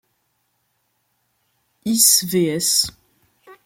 Ys vs.